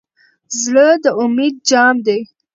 زړه د امید جام دی.